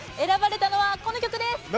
選ばれたのはこの曲です！